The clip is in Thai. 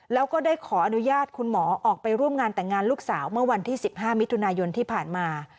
แล้วก็ได้ขออนุญาตคุณหมอออกไปร่วมงานแต่งงานลูกสาวเมื่อวันที่๑๕มิถุนายนที่ผ่านมา